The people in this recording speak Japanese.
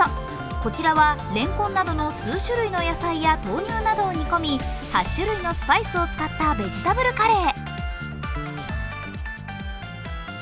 こちらはれんこんなどの数種類の野菜や豆乳などを煮込み、８種類のスパイスを使ったベジタブルカレー。